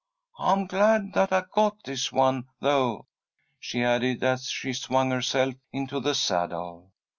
I'm glad that I got this one, though," she added, as she swung herself into the saddle.